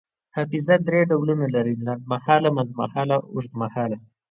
حافظه دری ډولونه لري: لنډمهاله، منځمهاله او اوږدمهاله